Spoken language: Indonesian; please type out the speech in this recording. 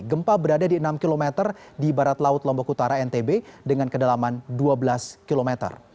gempa berada di enam km di barat laut lombok utara ntb dengan kedalaman dua belas km